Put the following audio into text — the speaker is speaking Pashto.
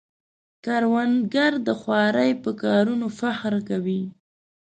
کروندګر د خوارۍ په کارونو فخر کوي